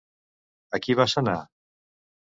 A qui va sanar?